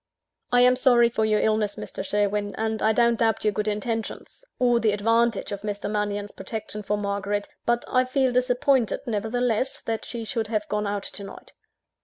"I am sorry for your illness, Mr. Sherwin; and I don't doubt your good intentions, or the advantage of Mr. Mannion's protection for Margaret; but I feel disappointed, nevertheless, that she should have gone out to night."